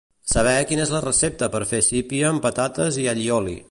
Saber quina és la recepta per fer sípia amb patates i allioli.